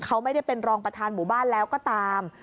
เขาไม่ได้เป็นรองประธานหมู่บ้านแล้วก็ตาม